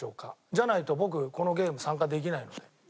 じゃないと僕このゲーム参加できないので。